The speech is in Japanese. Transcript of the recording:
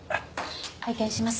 拝見します。